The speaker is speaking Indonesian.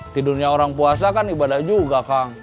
tidurnya orang puasa kan ibadah juga kang